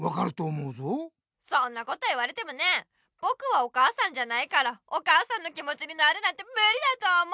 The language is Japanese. そんなこと言われてもねぼくはお母さんじゃないからお母さんの気もちになるなんてムリだと思う。